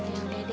ya udah deh